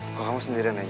kok kamu sendirian aja sih